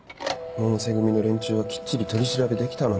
百瀬組の連中はきっちり取り調べできたのに。